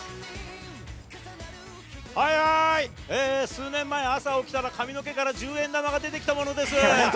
はいはーい、数年前、朝起きたら髪の毛から十円玉が出てきたものです。